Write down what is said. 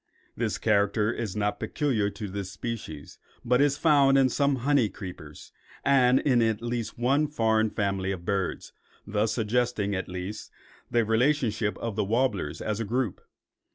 This character is not peculiar to this species, but is found in some honey creepers and in at least one foreign family of birds, thus suggesting, at least, the relationship of the warblers as a group.